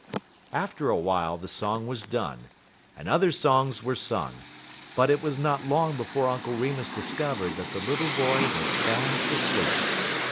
_ After a while the song was done, and other songs were sung; but it was not long before Uncle Remus discovered that the little boy was fast asleep.